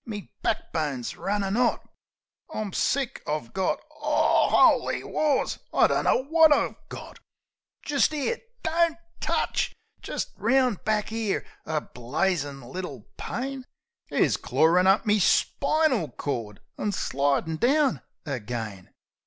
"Me back bone's runnin' 'ot. I'm sick! I've got Oo, 'oly wars! I dunno wot I've got! Jist 'ere Don't touch! Jist round back 'ere, a blazin' little pain Is clawin' up me spinal cord an' slidin' down again."